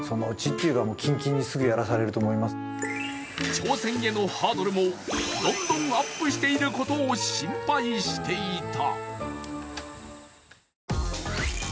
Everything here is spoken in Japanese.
挑戦へのハードルもどんどんアップしていることを心配していた。